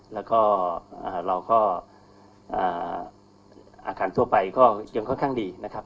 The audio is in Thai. แล้วก็เราก็อาคารทั่วไปก็ยังค่อนข้างดีนะครับ